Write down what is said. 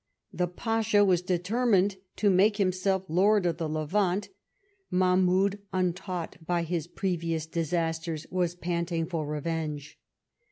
The Pasha was determined to make himself Lord of the Levant: Mahmoudy untaught by his previous disasters, was panting for revenge.